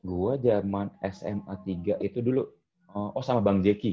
gue jaman sma tiga itu dulu oh sama bang zeki